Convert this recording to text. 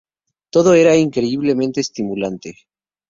Todo era increíblemente estimulante.